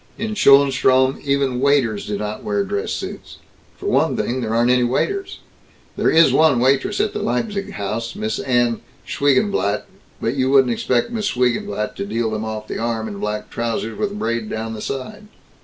In Schoenstrom even waiters do not wear dress suits. For one thing there aren't any waiters. There is one waitress at the Leipzig House, Miss Annie Schweigenblat, but you wouldn't expect Miss Schweigenblat to deal them off the arm in black trousers with braid down the side.